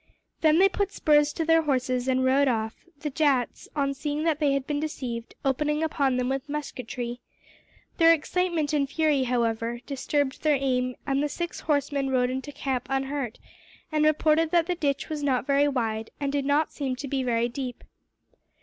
Then they put spurs to their horses, and rode off the Jats, on seeing that they had been deceived, opening upon them with musketry. Their excitement and fury, however, disturbed their aim, and the six horsemen rode into camp unhurt, and reported that the ditch was not very wide, and that it did not seem to be very deep.